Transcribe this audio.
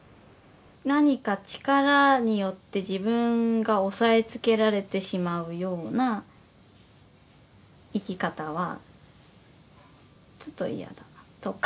何か力によって自分が押さえつけられてしまうような生き方はちょっと嫌だなとか。